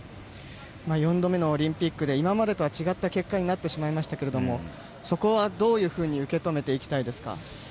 ４度目のオリンピックで今までとは違った結果になってしまいましたがそこは、どういうふうに受け止めていきたいですか？